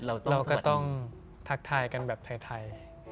เราก็ต้องทักทายกันแบบไทย